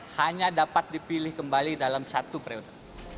hanya dapat dipilih kembali dalam satu periode